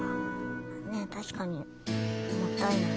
確かにもったいない。